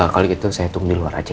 kali itu saya tunggu di luar aja ya